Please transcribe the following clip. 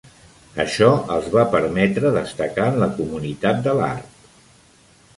Això els va permetre destacar en la comunitat de l'art.